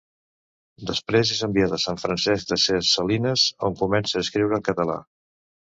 Després és enviat a Sant Francesc de ses Salines, on comença a escriure en català.